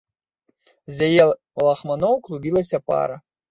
З яе лахманоў клубілася пара.